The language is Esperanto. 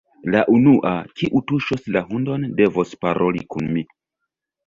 La unua, kiu tuŝos la hundon, devos paroli kun mi.